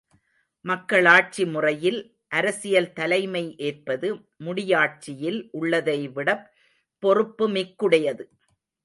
மக்களாட்சி முறையில் அரசியல் தலைமை ஏற்பது முடியாட்சியில் உள்ளதைவிடப் பொறுப்புமிக்குடையது.